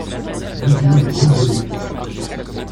Vingt et un grands éléphants.